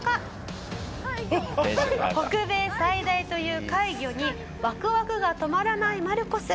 北米最大という怪魚にワクワクが止まらないマルコス。